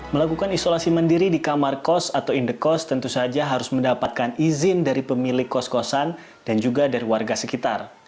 melakukan isolasi mandiri di kamar kos atau indekos tentu saja harus mendapatkan izin dari pemilik kos kosan dan juga dari warga sekitar